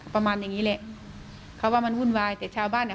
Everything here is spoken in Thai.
ประมาณอย่างงี้แหละเขาว่ามันวุ่นวายแต่ชาวบ้านอ่ะ